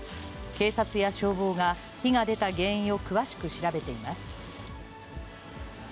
警察や消防が、火が出た原因を詳しく調べています。